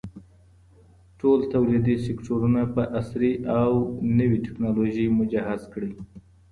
ټول توليدي سکتورونه په عصري او نوي ټکنالوژي مجهز کړئ.